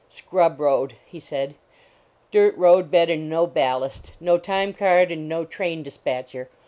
"Scrub road," he said, "dirt road bed and no ballast; no time card, and no train dispatcher.